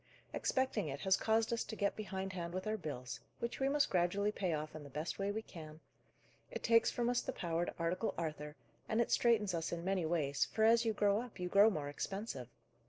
Expecting it has caused us to get behindhand with our bills, which we must gradually pay off in the best way we can; it takes from us the power to article Arthur, and it straitens us in many ways, for, as you grow up, you grow more expensive.